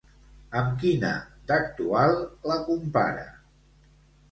Amb quina d'actual la compara?